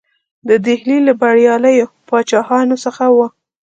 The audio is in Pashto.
د ډهلي له بریالیو پاچاهانو څخه وو.